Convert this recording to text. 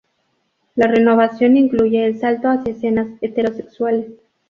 La renovación incluye el salto hacia escenas heterosexuales.